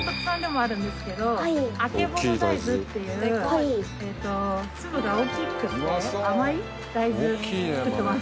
あけぼの大豆っていう粒が大きくて甘い大豆作ってます。